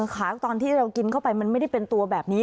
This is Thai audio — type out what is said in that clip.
ขาตอนที่เรากินเข้าไปมันไม่ได้เป็นตัวแบบนี้